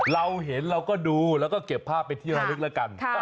เราเห็นเราก็ดูแล้วก็เก็บภาพเป็นที่ระลึกแล้วกัน